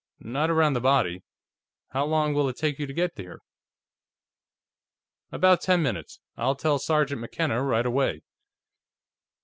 "Not around the body. How long will it take you to get here?" "About ten minutes. I'll tell Sergeant McKenna right away."